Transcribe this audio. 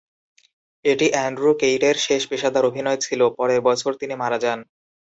এটি অ্যান্ড্রু কেইরের শেষ পেশাদার অভিনয় ছিল; পরের বছর তিনি মারা যান।